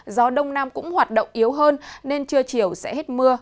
gió đông nam cũng hoạt động yếu hơn nên trưa chiều sẽ hết mưa